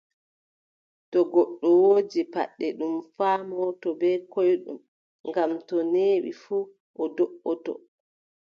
To goɗɗo woodi paɗɗe, ɗum faamotoo bee koyɗum, ngam to neei fuu, o do"otoo,